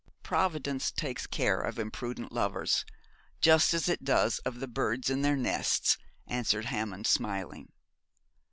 'Providence takes care of imprudent lovers, just as it does of the birds in their nests,' answered Hammond, smiling.